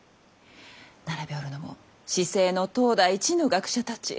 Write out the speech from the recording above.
並びおるのも市井の当代一の学者たち。